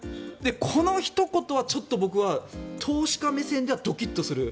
このひと言は、ちょっと僕は投資家目線ではドキッとする。